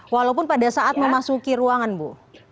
walaupun pada saat memasuki ruangan bu